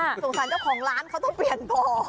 สงสารเจ้าของร้านเขาต้องเปลี่ยนต่อ